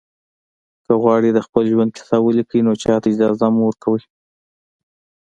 که غواړئ د خپل ژوند کیسه ولیکئ نو چاته اجازه مه ورکوئ.